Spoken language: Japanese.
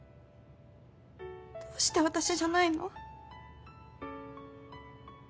どうして私じゃないの？